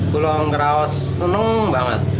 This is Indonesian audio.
kulau ngerawas senang banget